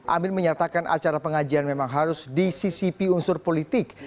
amin menyatakan acara pengajian memang harus disisipi unsur politik